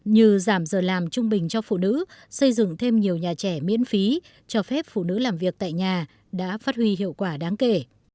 như giảm giờ làm trung bình cho phụ nữ xây dựng thêm nhiều nhà trẻ miễn phí cho phép phụ nữ làm việc tại nhà đã phát huy hiệu quả đáng kể